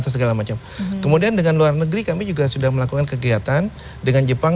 segala macam kemudian dengan luar negeri kami juga sudah melakukan kegiatan dengan jepang